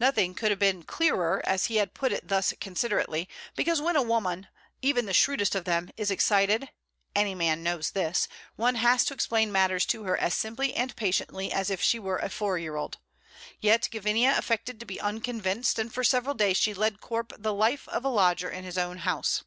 Nothing could have been clearer, and he had put it thus considerately because when a woman, even the shrewdest of them, is excited (any man knows this), one has to explain matters to her as simply and patiently as if she were a four year old; yet Gavinia affected to be unconvinced, and for several days she led Corp the life of a lodger in his own house.